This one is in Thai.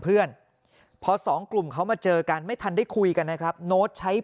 เพื่อนพอสองกลุ่มเขามาเจอกันไม่ทันได้คุยกันนะครับโน้ตใช้